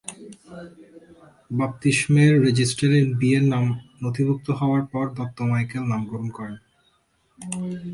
বাপ্তিস্মের রেজিস্টারে বিয়ের নাম নথিভুক্ত হওয়ার পর দত্ত মাইকেল নাম গ্রহণ করেন।